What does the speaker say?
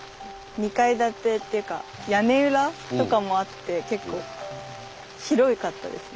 ２階建てっていうか屋根裏とかもあって結構広かったですね。